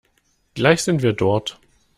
Gleich sind wir dort.